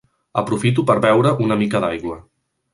Aprofito per beure una mica d'aigua.